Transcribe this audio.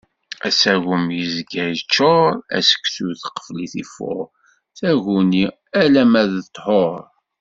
Asagem, yezga yeččur. Aseksut, qfel-it ifuṛ. Taguni, alamma d ṭṭhur.